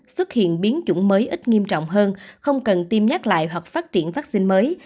xuất hiện biến chủng mới ít nghiêm trọng hơn không cần tiêm nhắc lại hoặc phát triển vaccine mới